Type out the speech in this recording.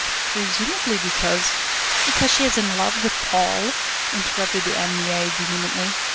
"Presumably because ..." "Because she is in love with Paul?" interrupted Anne Mie vehemently.